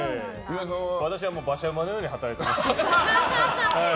私は馬車馬のように働いていましたよ。